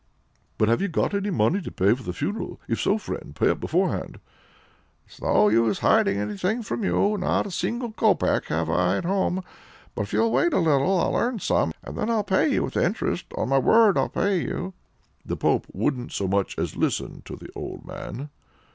"But have you got any money to pay for the funeral? if so, friend, pay up beforehand!" "It's no use hiding anything from you. Not a single copeck have I at home. But if you'll wait a little, I'll earn some, and then I'll pay you with interest on my word I'll pay you!" The pope wouldn't so much as listen to the old man.